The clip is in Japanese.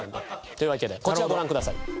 というわけでこちらをご覧ください。